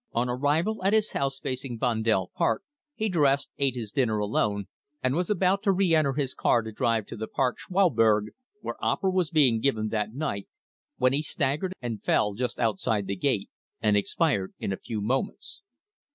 "On arrival at his house facing Vondel Park, he dressed, ate his dinner alone, and was about to re enter his car to drive to the Park Schouwburg, where opera was being given that night, when he staggered and fell just outside the gate, and expired in a few moments.